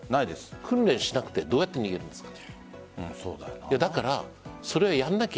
訓練しなくてどうやって逃げるんですか？